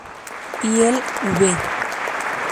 Y el v.